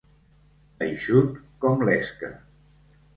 Eixut com l'esca.